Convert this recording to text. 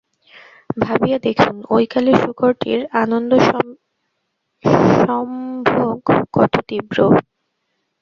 ভাবিয়া দেখুন, ঐ কালে শূকরটির আনন্দসম্ভোগ কত তীব্র।